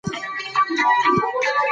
تعلیم به راتلونکې کې پرمختګ وکړي.